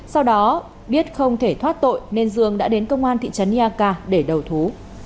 sau đó biết không thể thoát tội nên dương đã đến công an thị trấn eak để đầu thú